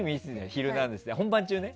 「ヒルナンデス！」で本番中ね。